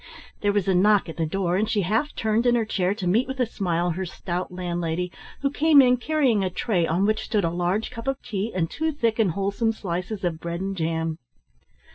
There was a knock at the door, and she half turned in her chair to meet with a smile her stout landlady who came in carrying a tray on which stood a large cup of tea and two thick and wholesome slices of bread and jam.